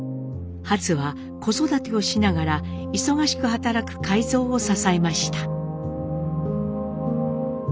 ハツは子育てをしながら忙しく働く海蔵を支えました。